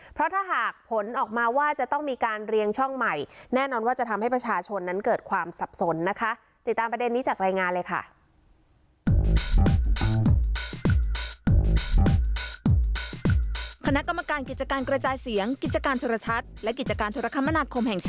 เพราะถ้าหากผลออกมาว่าจะต้องมีการเรียงช่องใหม่แน่นอนว่าจะทำให้ประชาชนนั้นเกิดความสับสนนะคะ